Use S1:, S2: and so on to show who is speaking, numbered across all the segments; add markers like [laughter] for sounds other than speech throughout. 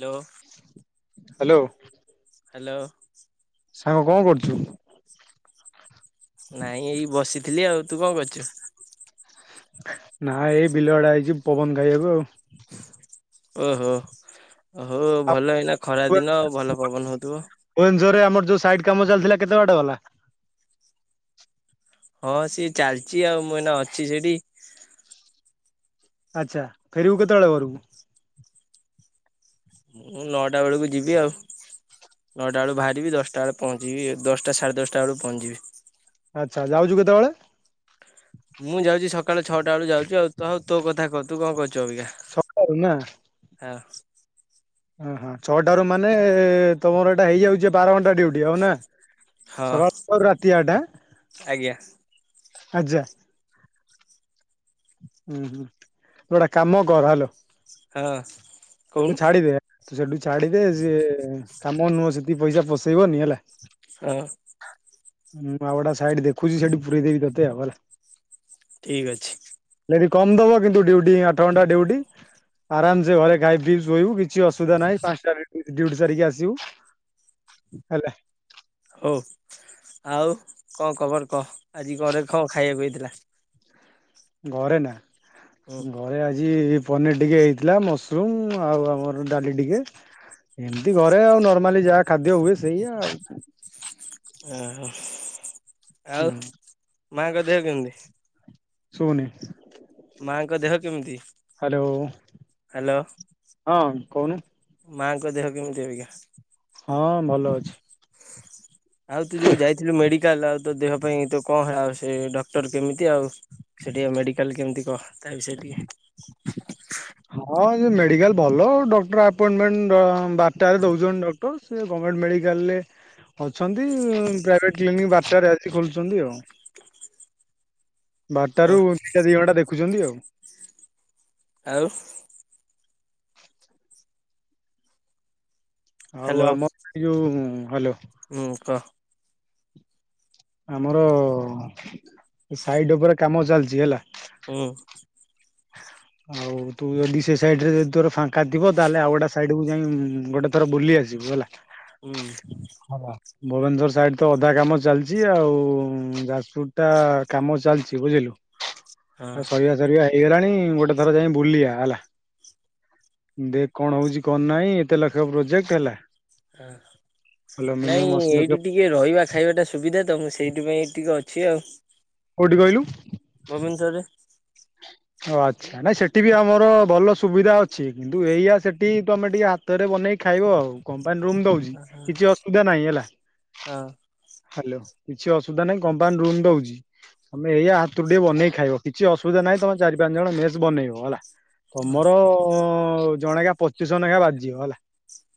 S1: ଲୋ
S2: hello.
S1: Hello.
S2: ସାଙ୍ଗ କଣ କରୁଛୁ?
S1: ନାଇଁ ଏଇ ବସିଥିଲି ଆଉ ତୁ କଣ କରଛୁ?
S2: ନା ଏଇ ବିଲ ଆଡେ ଆଇଚି ପବନ ଖାଇବାକୁ ଆଉ।
S1: ଓହୋ ଓହୋ ଭଲ ଏଇନା ଖରା ଦିନ ଆଉ ଭଲ ପବନ ହଉଥୁବ।
S2: ଜୋରେ ଆମର ଯୋଉ ସାଇଟ୍ କାମ ଚାଲିଥିଲା କେତେ ବାଟା ଗଲା।
S1: ହଁ ସିଏ ଚାଲିଚି ଆଉ ମୁଁ ଏଇନା ଅଛି ସେଇଠି।
S2: ଆଚ୍ଛା ଫେରିବୁ କେତେବେଳେ ଘରକୁ?
S1: ମୁଁ ନଅଟା ବେଳକୁ ଯିବି ଆଉ, ନଅଟା ବେଳକୁ ବାହାରିବି ଦଶଟା ବେଳେ ପହଞ୍ଚିବି, ଦଶଟା ସାଢ଼େ ଦଶଟା ବେଳକୁ ପହଞ୍ଚିବି।
S2: ଆଚ୍ଛା ଯାଉଚୁ କେତେବେଳେ?
S1: ମୁଁ ଯାଉଚି ସକାଳେ ଛଅଟା ବେଳୁ ଯାଉଚୁ ଆଉ, ତହ ତୋ କଥା କହ ତୁ କଣ କରୁଛୁ ଅବିକା?
S2: ସକାଳୁ ନା?
S1: ହଁ।
S2: ଓ ହଁ ଛଅଟାରୁ ମାନେ ତୋମର ଏଇଟା ହେଇଯାଉଚି ଏ ବାର ଘଣ୍ଟା ଡିଉଟି ହଁ ନା।
S1: ହଁ
S2: ସକାଳ [inaudible] ରାତି ଆଠ ଆଁ,
S1: ଆଜ୍ଞା
S2: । ଆଯା ଉଁ, ହୁଁ ଗୋଟା କାମ କର ହାଲୋ
S1: ହଁ।
S2: ତୁ
S1: କହୁନୁ
S2: ଛାଡିଦେ। ତୁ ସେଠୁ ଛାଡ଼ିଦେ ଯିଏ କାମ ନୁହଁ ସେତିି ପଇସା ପସେଇବନି ହେଲା
S1: ହଁ।
S2: ଉଁ ଆଉଡା ସାଇଡ ଦେଖୁଛି ସେଠି ପୁରେଇ ଦେବୀ ତତେ ଆ ହେଲା
S1: ଠିକ ଅଛି।
S2: ସେଠି କମ ଦବ କିନ୍ତୁ ଡିଉଟି ଆଠ ଘଣ୍ଟା ଡିଉଟି ଆରାମସ ଘରେ ଖାଇ ଶୋଇବୁ କିଛି କିଛି ଅଶୁବିଧା ନାଁ ପାଞ୍ଚଟା ଡିଉଟି ସାରିକି ଆସିବୁ [inaudible] ହେଲା।
S1: ହଉ ଆଉ କଣ ଖବର କହ ଆଜି ଘରେ କ ଖାଇବାକୁ ହେଇଥିଲା?
S2: ଘରେ ନା
S1: ହୁଁ
S2: ଘରେ ଆଜି ପନିର ଟିକେ ହେଇଥିଲା, ମସରୁମ ଆଉ ଆମର ଡାଲି ଟିକେ ଏମିତି ଘରେ ଆଉ ନର୍ମାଲି ଯାହା ଖାଦ୍ୟ ହୁଏ ସେଇ ଆଉ।
S1: [unintelligible] ଆଉ
S2: ହୁଁ
S1: ମାଙ୍କ ଦେହ କେମିତି?
S2: [unintelligible]
S1: ମାଙ୍କ ଦେହ କେମିତି,
S2: ହ୍ୟାଲୋ
S1: ହ୍ୟାଲୋ?
S2: କୋହୁନୁ?
S1: ମାଙ୍କ ଦେହ କେମିତି ଆଜ୍ଞା?
S2: ହଁ ଭଲ ଅଛି।
S1: ଆଉ ତୁ ଯୋଉ ଯାଇଥିଲୁ ମେ ହେଲେ ଆଉ ତୋ ଦେହ ପାଇଁ ତ କଣ ହେଲା ଆଉ ସେ ଡକ୍ଟର କେମିତି ଆଉ ସେଠିକା ମେଡିକାଲ କେମିତି? କହ ତାବିଷୟରେ ଟିକେ?
S2: ମାଲ ଭଲ କ୍ଟପଣ୍ଟମ ବାରଟା ରେ ଦୋଉଛନ୍ତି ସେ ଗମେଣ୍ଟ ମେିକାଲରେ ଅଛନ୍ତି, ପ୍ରଭଟ କ୍ ବାରଟ ଖୋଲୁଛନ୍ତି ଆଉ। ବାରଟାାରୁ
S1: କହ
S2: ଦଇଟା ଦି ବଟା ଦେଖୁ ଦେଖୁଛନ୍ତି ଆଉ।
S1: [inaudible]
S2: ଆଉ
S1: ହ୍ୟାଲୋ
S2: ଆମ ଏ ଯୋଉ ହଲୋ।
S1: ହୁଁ କହ
S2: ଆମର ସାଇଡ ଉପରେ କାମ ଚାଲିଚି ହେଲା।
S1: ହଁ
S2: ଆଉ ତୁ ଯଦି ସେ ସାଇଡରେ ଯି ତୋର ଫାଙ୍କା ଥିବ ତାହେଲେ ଆଉ ଗୋଟେ ସାଇଡକୁ ଯାଇ ଗୋଟେ ଥର ବୁଲି ଆସିବୁ ହେଲା।
S1: ହୁଁ।
S2: ଭୁବନେଶ୍ୱର ସାଇଡ ତ ଅଧା କାମ ଚାଲିଛି, ଆଉ ଯାଜପୁର ଟା କାମ ଚାଲିଛି ବୁଝିଲୁ।
S1: ହଁ
S2: ଆଉ ସରିବା ସରିବା ହେଇଗଲାଣି ଗୋଟେ ଥର ଯାଇ ବୁଲିବା ହେଲା ଦେ କଣ ହଉଛି କଣ ନାହିଁ ଏତେ ଲକ୍ଷ ପ୍ରୋଜେକ୍ଟ ହେଲା।
S1: ହାଁ ନାଇଁ
S2: ମିନିମମ୍ ଅଶୀ ଲକ୍ଷ
S1: ଏଇଠି ଟିକେ ରହିବା । ଖାଇବାଟା ସୁବିଧା ତ ମୁଁ ସେଇଥି ପାଇଁ ଟିକେ ଅଛି ଆଉ ।
S2: କୋଠି କହିଲୁ । ଆଚ୍ଛା ନାଇଁ ସେଠି ବି ଆମର ଭଲ ସୁବିଧା ଅଛି କିନ୍ତୁ ଏଇଆ ସେଠି ତମେ ଟିକେ ହାତରେ ବନେଇକି ଖାଇବ ଆଉ କଣ ତା ନ ରୁମ ଦଉଛି କିଛି ଅସୁବିଧା ନାହିଁ ହେଲା ।
S1: ହଁ
S2: ହ୍ୟାଲୋ କିଛି ଅସୁବିଧା ନାଇଁ କମ୍ପାନି ରୁମ ଦଉଛି ତମେ ଏଇଆ ହାତରୁ ଟିକେ ବନେଇ ଖାଇବ କିଛି ଅସୁବିଧା ନାହିଁ ତମେ ଚାରି ପାଞ୍ଚ ଜଣ ମେସ୍ ବନେଇବ ହେଲା । ତମର ହଉ ଜଣେଖା ପଚିଶନେଖା ବାଜିବ ହେଲା ।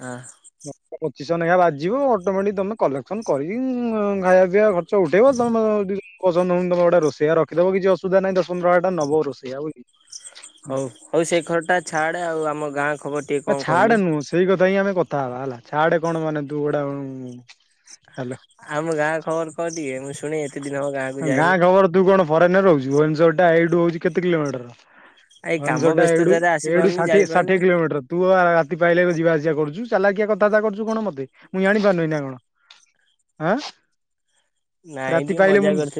S1: ହଁ
S2: ପଚିସ ନେଖା ବାଜିବ ଅଟୋମେଟିକ ତମେ କଲେକ୍ସନ କରିକି ଖାଇବା ପିଆ ଖ ଚ ଉଠେଇବ ତମେ ତମର ପସନ୍ଦ ହଉନି ତମେ ଗୋଟା ରୋଷଇଆ ରଖିଦବ କିଛି ଅସବିଧା ନାଁଇ ଦସ ପନ୍ଦର ହଜାର ଟଙ୍କା ନବ ରୋ ସେ ଆଉ [unintelligible]
S1: ହଉ ହଉ ସେଇ ଘରଟା ଅଛି। ଛାଡେ ଆଉ ଆମ ଗାଁ କ
S2: ନା ଛାଡ ନୁହଁ ସେଇ କଥା ହିଁ ଆମେ କଥ କଥା ହବା ହେଲା, ଛାଡ଼େ କଣ ମାନେ ତୁ ଗୋଟେ ଉନ୍ ।
S1: ଆମ ଗାଁ ଖବର କହ ଟିକେ ମୁଁ ଶୁଣେ ଏ ତେ
S2: ଗାଁ ଖବର ତୁ କଣ। ଫରେନ ରେ ରହୁଚୁ, ଭୁଏନେଶ୍ୱର ଟା ହଉଚି ଏଇଠୁ କେତେ କିଲୋମିଟର?
S1: ଏଇ କାମ
S2: ଭୁଏନେଶ୍ୱର ଟା ଏଇଠୁ
S1: ବ୍ୟସ୍ତତାରେ
S2: ଏଇଠୁ
S1: ଆସିପାରୁନି
S2: ଷାଠିଏ ଷାଠଏ
S1: ଯାଇପାରୁନି
S2: କିଲୋମିଟର ତୁ ଆ ରାତି ପାଇଲେ ଯିବା ଆସିବା କରୁଛୁ ଚାଲାକିଆ କଥାବାର୍ତା କରୁଛୁ କଣ ମତେ ମୁଁ ଜାଣିପାରୁନି ନା କଣ ।
S1: ନାଇଁ ଟିକେ ମଜା କରୁ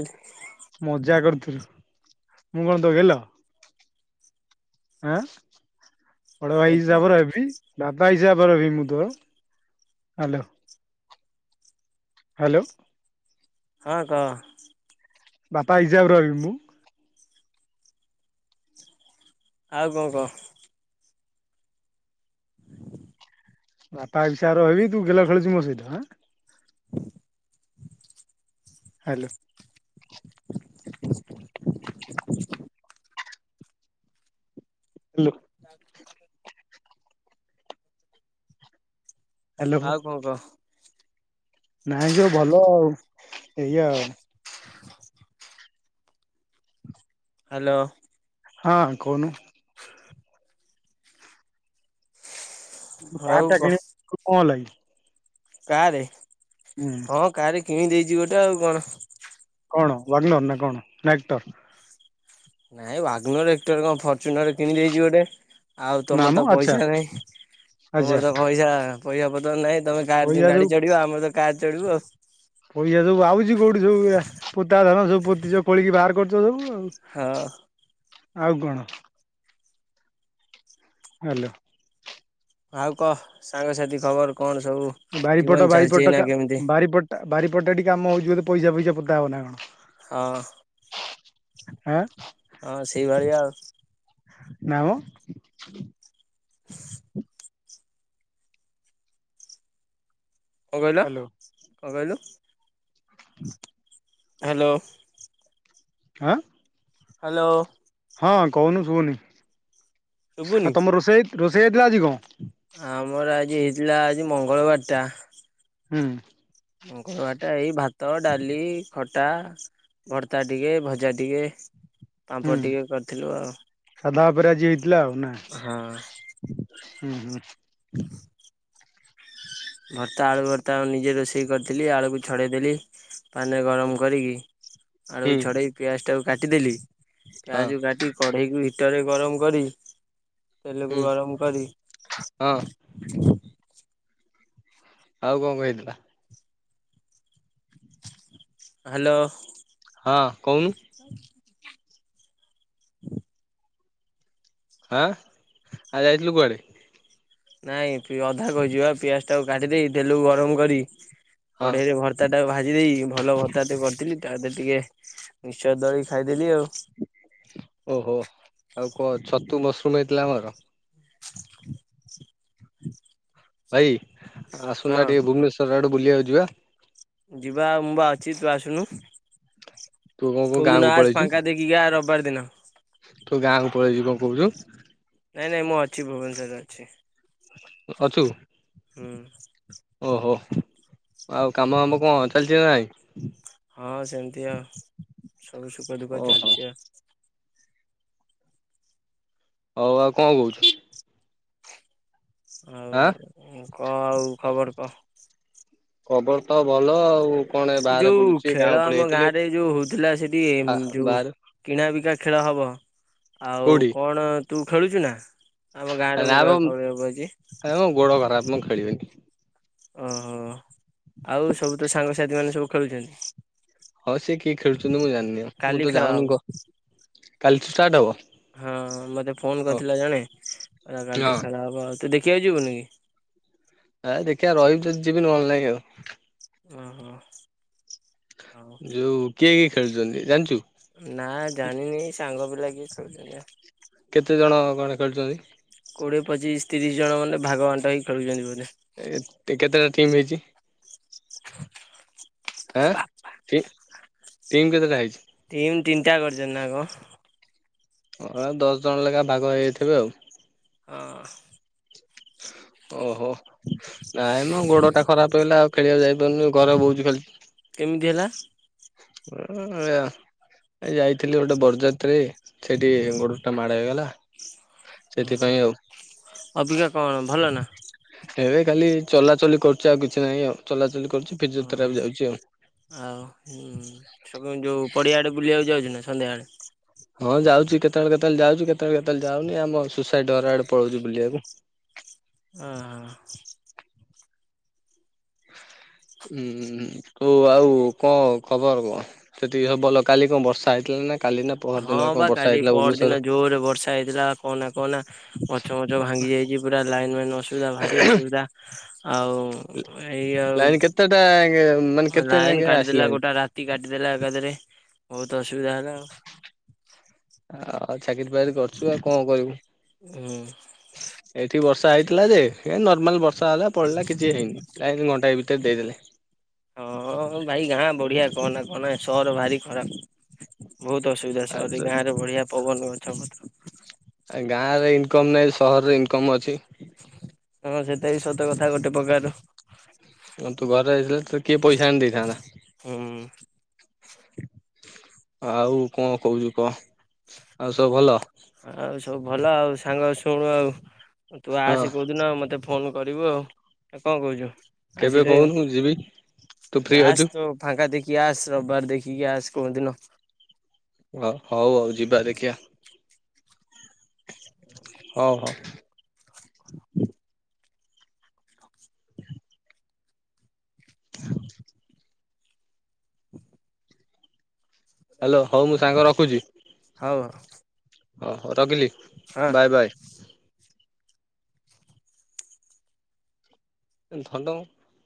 S2: ମଜା କରୁଥି ମୁଁ କଣ ତୋ ଗେଲ? ଆଁ ବଡ ଭାଇ
S1: ଅଳ୍ପ।
S2: ହିସାବ ର ହେବି, ଦାଦା ହିସାବ। ବଡ଼ ହେବି ମୁଁ ତୋ ହ୍ୟାଲୋ। ହ୍ୟାଲୋ ।
S1: ହଁ କହ।
S2: ବାପା ହିସାବର ହେବି ମୁଁ।
S1: ଆଉ କଣ କ।
S2: ବାପା ହିସାବର ହେବି ତୁ ଗେଲ ଖେଳୁଚୁ ମୋ ସହିତ। ହ୍ୟାଲୋ । ହ୍ୟାଲୋ ।
S1: [unintelligible]
S2: ହ୍ୟାଲୋ
S1: ଆଉ କଣ କହ।
S2: ନାଇଁ ସବୁ ଭଲ ଆଉ ଏଇାଆ ଆଉ।
S1: ହାଲୋ
S2: ହଁ କହୁନୁ।
S1: ଆଉ
S2: କାର୍ ଟା
S1: କହ
S2: କିଣି [inaudible] କଣ ହେଲା କି?
S1: କାରେ
S2: ହୁଁ
S1: ହଁ କାରେ କିଣି ଦେଇ ଜି ଗୋଟେ ଆଉ କଣ।
S2: କଣ ୱାଗନୋର ନା କଣ ନା ଏକ୍ଟର?
S1: ନାଇଁ ୱାଗନୋର ଏକ୍ଟର କଣ ଫର୍ଚୁନର କିଣିଦେଇଛି ଗୋଟେ। ଆଉ
S2: ନା
S1: ତମର
S2: ମ
S1: ତ
S2: ଆଚ୍ଛା
S1: ପଇସା ନାଇଁ। ତମର
S2: ଆଚ୍ଛା
S1: ତ ପଇସା ପଇସା ପତ୍ର ନାହିଁ। ତମେ କାର
S2: ପଇସା ଯୋଉ
S1: ଗାଡି ଚଢିବ ଆମର ତ କାର ଚଢିବୁ ଆଉ।
S2: ପଇସା ସବୁ ଆଉଛି କୋଉଠି ସବୁ ଆ। ପୋତାଧନ ସବୁ ପୋତିଛ ଖୋଳିକି ବାହାର କରିଛ ସବୁ ଆଉ।
S1: ହଁ
S2: [inaudible] ଆଉ କଣ? ହ୍ୟାଲୋ
S1: ଆଉ କହ ସାଙ୍ଗସାଥି ଖବର କଣ ସବୁ? ଜୀବନ
S2: ବାରିପଟ
S1: ଚାଲିଛି ଏଇନା
S2: ବାରିପଟକା
S1: କେମିତି
S2: ବାରିପଟଟା ବାରିପଟା ଟିକେ କାମ ହଉଚି ବୋଧେ ପଇସା ପଇସା ପୋତା ହବ ନା କଣ।
S1: ହଁ।
S2: ଆଁ
S1: ହଁ ସେଇଭଳିଆ ଆଉ।
S2: ନାଁ ମ
S1: [inaudible] କଣ କହିଲ
S2: ହାଲୋ
S1: କଣ କହିଲୁ?
S2: [inaudible]
S1: ହ୍ୟାଲୋ
S2: ଆଁ
S1: ହ୍ୟାଲୋ
S2: ହଁ କହୁନୁ ଶୁଭୁନି।
S1: ଶୁଭୁନି?
S2: ଆଉ ତମ ରୋଷେଇ ରୋଷେଇ ହେଇଥିଲା ଆଜି କଣ?
S1: ଆମର ଆଜି ହେଇଥିଲା ଆଜି ମଙ୍ଗଳବାର ଟା
S2: ହୁଁ।
S1: ମଙ୍ଗଳବାର ଟା ଏଇ ଭାତ ଭାତ, ଡାଲି, ଖଟ୍ ଖଟା, ଭର୍ତ୍ତା ଟିକେ, ଭଜା ଟିକେ
S2: ହୁଁ
S1: ପାମ୍ପଡ ଟିକେ କରିଥିଲୁ ଆଉ।
S2: ସାଧା ଉପରେ ଆଜି ହେଇଥିଲା ନା
S1: ହଁ
S2: ହୁଁ ହୁଁ।
S1: [inaudible] ଭର୍ତ୍ତା ଆଳୁ ଭର୍ତ୍ତା ମୁଁ ନିଜେ ରୋଷେଇ କରିଥିଲି ଆଳୁକୁ ଛଡେଇଦେଲି ପାଣି ରେ ଗରମ କରିକି ଆଳୁ
S2: ହୁଁ
S1: କୁ ଛଡେଇ ପିଆଜ ଟାକୁ କାଟିଦେଲି
S2: ହଁ
S1: ପିଆଜ କୁ କାଟିକି କଢେଇକି ହିଟରରେ ଗରମ କରି ତେଲ
S2: ହୁଁ
S1: କୁ ଗରମ କରିି
S2: ହଁ ଆଉ କଣ କଣ ହେଇଥିଲା?
S1: ହ୍ୟାଲୋ
S2: ହଁ କହୁନୁ। ଆଁ ଆଜି ଯାଇଥିଲୁ କୁଆଡେ?
S1: ନାଇଁ ପି ଅଧା କହିଛି ବା ପିଆଜ ଟାକୁ କାଟିଦେଇ ତେଲକୁ ଗରମ କରି
S2: ହଁ
S1: କଢେଇରେ ଭର୍ତା ଟା ଭାଜି ଦେଇକି ଭଲ ଭର୍ତା ଟେ କରିଥିଲି। ତା ଧିଅରେ ଟିକେ ମିଶ୍ଚର ଦଳିକି ଖାଇଦେଲି ଆଉ।
S2: ଓହୋ ଆଉ କଣ ଛତୁ ମସରୁମ ହେଇଥିଲା ଆମର। ଭାଇ ଆସୁନା
S1: ହଁ।
S2: ଟିକେ ଭୁବନେଶ୍ୱର ଆଡୁ ବୁଲିଆକୁ ଯିବା।
S1: ଯିବା ଆଉ ମୁଁ ବା ଅଛି ତୁ ଆସୁନୁ।
S2: ତୁ କଣ କହୁ
S1: କୋଉ
S2: ଗାଁକୁ
S1: ଦିନ ଆସେ
S2: ପଳେଇଛୁ
S1: ଫାଙ୍କା ଦେଖିକି ଆ ର ପଅରଦିନ
S2: ତୁ ଗାଁ କୁ ପଳେଇଚୁ କଣ କହୁଛୁ।
S1: ନାଇଁ ନାଇଁ ମୁଁ ଅଛି ଭୁବନେଶ୍ୱରରେ ଅଛି।
S2: ଅଛୁ?
S1: ହୁଁ।
S2: ଓହୋ ଆଉ କାମ ଫାମ କଣ ଚାଲିଚି ନା ନାଇଁ?
S1: ହଁ ସେମିତି ଆଉ। ସବୁ ସୁଖ ଦୁଃଖ
S2: ଓହୋ
S1: ଚାଲିଛି ଆଉ।
S2: ହଉ ଆଉ କଣ କହୁଛୁ?
S1: ଆଉ
S2: ଆଁ
S1: ଉଁ କଣ ଆଉ ଖବର କହ।
S2: ଖବର ତ ଭଲ ଆଉ। କଣ ବାହାରେ
S1: ଯୋଉ
S2: ବୁଲୁଛି
S1: ଖେଳ
S2: ଗାଁକୁ ପଳେଇ
S1: ଆମ ଗାଁ
S2: ଆଇଥିଲି
S1: ରେ ଯୋଉ ହଉଥିଲା ସେଠି ଉ
S2: ଆ
S1: ଯୋଉ
S2: ବାହାରେ
S1: କିଣା ବିକା ଖେଳ ହବ। ଆଉ କଣ ତୁ ଖେଳୁଚୁ ନା? ଆମ
S2: ଏ
S1: ଗାଁରେ
S2: ନା
S1: ମୁଁ କାଳେ
S2: ବ
S1: ଖବରକୁ ଅଛି
S2: ଏ ମୋ ଗୋଡ ଖରାପ ମୁଁ ଖେଳିବିନି।
S1: ଓହୋ ଆଉ ସବୁ ତୋ ସାଙ୍ଗସାଥି ମାନେ ସବୁ ଖେଳୁଛନ୍ତି।
S2: ହଁ ସିଏ କିଏ ଖେଳୁଛନ୍ତି ମୁଁ ଜାଣିନି ଆଉ ମୁଁ
S1: କାଲି
S2: ତ
S1: ଖେଳ
S2: ଯାଉନି
S1: ହବ
S2: କହ କାଲିଠୁ ଷ୍ଟାର୍ଟ ହବ?
S1: ହଁ ମତେ ଫୋନ
S2: ଓ
S1: କରିଥିଲା ଜଣେ କାଲିଠୁ
S2: ହଁ
S1: ଆଉ ତୁ ଦେଖ କିଏ ଯିବନ କି
S2: ଆ ଦେଖିବା ରହିବି ଯଦି ଯିବି ନ ହେଲେ ନାଇ ଆଉ।
S1: ଓ ହୋ।
S2: ଯଉ କିଏ କିଏ ଖେଳୁଛନ୍ତି ଜାଣିଛୁ?
S1: ନା ଜାଣିନି ସାଙ୍ଗଟେ ଲାଗିଥ ଜ
S2: କେତେ ଜଣ
S1: [unintelligible]
S2: କଣ ଖେଳୁଛନ୍ତି।
S1: କୋଡ଼ିଏ ପଚିଶ ତିରିଶ ଜଣ ମାନେ ଭାଗ ବାଣ୍ଟ ହେଇ ଖେଳୁଛନ୍ତି ବୋଧେ।
S2: ଏ କେତେଟା ଟିମ୍ ହେଇଛି? ଆଁ କି ଟିମ୍ କେତେଟା ହେଇଛି?
S1: ଟିମ୍ ତିନିଟା କରିଛନ୍ତି ନାଆ କଁ।
S2: ହଁ ଦଶ ଜଣ ଲେଖା ଭାଗ ହେଇଯାଇଥିବେ ଆଉ।
S1: ହଁ।
S2: ଓ ହୋ। ନାଇଁ ମ ଗୋଡ ଟା ଖରାପ ହେଇଗଲା ଆଉ ଖେଳିଆକୁ ଯାଇ ନୁ ଘରେ ବଉଛି ଖାଲି।
S1: କେମିତି ହେଲା?
S2: ଏ ଆ ଯାଇଥିଲି ଗୋଟେ ବରଯାତ୍ରୀ ସେଠି ଗୋଡ ଟା ମାଡ ହେଇଗଲା
S1: ଓ ହୋ
S2: ସେଥିପାଇଁ ଆଉ।
S1: ଅବିକା କଣ ଭଲ ନା?
S2: ଏବେ ଖାଲି ଚଲାଚଲି କରୁଛି ଆଉ କିଛି ନାହିଁ ଆଉ ଚଲା ଚଲି କରୁଛି ଫିଜିଓଥେରାଫି ଯାଉଛି ଆଉ।
S1: ଆଉ ହୁଁ ସବୁ ଯୋଉ ପଡିଆଡେ ବୁଲିବାକୁ ଯାଉଛୁ ନା? ସନ୍ଧ୍ୟା ବେଳ
S2: ହଁ ଯାଉଛି କେତେବେଳେ କେତେବେଳେ ଯାଉଛି କେତେବେଳେ କେତେବେଳେ ଯାଉନି ଆମ ସୁସାଇଡ ଡୋର ଆଡେ ପଳଉଛି ବୁଲିବାକୁ।
S1: ହଁ ହଁ।
S2: ହୁଁ ତୁ ଆଉ କଣ ଖବର କଣ ସେଠି ସବୁ ଭଲ କାଲି କଣ ବର୍ଷା ହେଇଥିଲା ନା? କାଲି ନା ପହର ଦିନ
S1: ହଁ
S2: କଣ
S1: ବା
S2: ବର୍ଷା
S1: କାଲି
S2: ହେଇଥିଲା
S1: ପର
S2: ଭୁବନେଶ୍ୱର
S1: ଦିନ ଜୋରେ ବର୍ଷା ହେଇଥିଲା କହନା କହନା ଗଛ ଫଛ ଭାଙ୍ଗି ଯାଇଛି ପୁରା ଲାଇନ୍ ମାଇନ୍ ଅସୁବିଧା ଭାରି ଅସୁବିଧା। ଆଉ ଏଇ
S2: ଲାଇନ କେତେଟା ମାନେ
S1: ଆଉ।
S2: କେତେ
S1: ଲାଇନ୍
S2: ଯାକେ
S1: କାଟିଦେଲା
S2: ଆସିଲାଣି?
S1: ଗୋଟେ ରାତି କାଟିଦେଲା ଏକାଥରେ। ବୋହୁତୁ ଅସୁ ସୁବିଧା ହେଲା ଆଉ।
S2: ଆଉ ଚାକିରି ବାକିରି କରୁଛୁ ଆଉ କଣ କରିବୁ।
S1: ହୁଁ।
S2: ଆଇଥିଲା ଯେ ଏ ନର୍ମାଲ୍ ବ ବର୍ଷା ହେଲା ପଳେଇଲା କିଛି ହେଇନି ଲାଇନ୍ ଘଣ୍ଟାଟାଏ ଭି ସେ ଦେଇଦେଲେ।
S1: ହଁ ଭାଇ ଗାଁ ବଢିଆ କହନା କହନା ଏ ସହର ଭାରି ଖରାପ୍। ବହୁତ ଅସୁବିଧା
S2: ଆ
S1: ସହର ରେ ରହି ଗାଁରେ ବଢିଆ ପବନ ଗଛ ପତ୍ର
S2: ଗାଁରେ ଇନକମ୍ ନାହିଁ ସହରରେ ଇନକମ୍ ଅଛି।
S1: ହଁ ସେଟା ବିି ସତ କଥା ଗୋଟେ ପ୍ରକାର ର।
S2: ଆ ତୁ ଘରେ ହେଇଥିଲେ ତତେ କିଏ ପଇସା ଆଣି
S1: ହୁଁ।
S2: ଦେଇଥାନ୍ତା। ଆଉ କଣ କହୁଛୁ କହ ଆଉ ସବୁ ଭଲ?
S1: ଆଉ ସବୁ ଭଲ ଆଉ ସାଙ୍ଗ ଶୁଣୁ ଆଉ ତୁ
S2: ହଁ
S1: ଆସେ କଉଦିନ ମତେ ଫ ଫୋନ୍ କରିବୁ ଆଉ କଣ କଉଚୁ।
S2: କେବେ କହୁନୁ ଯିବି ତୁ ଫ୍ରି ଅଛୁ।
S1: କି ଆସ୍ ରବିବାର ଦେଖିକି ଆସ କୋଉଦିନ।
S2: ହ ହଉ ଆଉ ଯିବା ଦେଖିଆ। ହଉ ହଉ। ହ୍ୟାଲୋ ହଉ ମୁଁ ସାଙ୍ଗ ରଖୁଚି।
S1: ହଉ।
S2: ଓ ହୋ ରଖିଲି।
S1: ହଁ।
S2: Bye bye. [unintelligible]